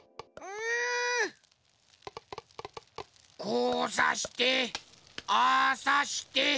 こうさしてああさして。